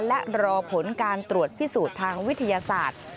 และรอผลการตรวจพิสูจน์ทางวิทยาศาสตร์